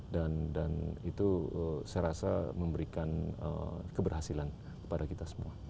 dan itu saya rasa memberikan keberhasilan kepada kita semua